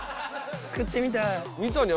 食ってみたい。